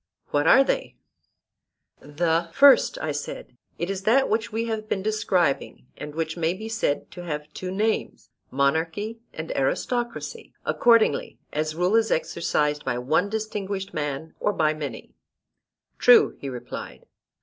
What are they? The first, I said, is that which we have been describing, and which may be said to have two names, monarchy and aristocracy, accordingly as rule is exercised by one distinguished man or by many. True, he replied.